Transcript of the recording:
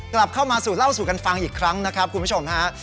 กลับเข้ามาสู่เล่าสู่กันฟังอีกครั้งนะครับคุณผู้ชมฮะ